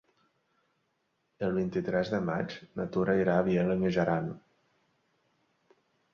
El vint-i-tres de maig na Tura irà a Vielha e Mijaran.